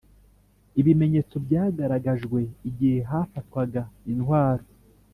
ibimenyetso byagaragajwe igihe hafatwaga intwaro